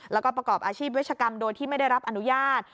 แล้วก็ประกอบอาชีพเวชกรรมโดยที่ไม่ได้รับอนุญาต